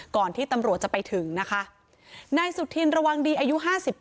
ก่อนที่ตำรวจจะไปถึงนะคะนายสุธินระวังดีอายุ๕๘